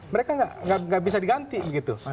mereka nggak bisa diganti begitu